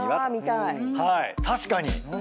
確かに！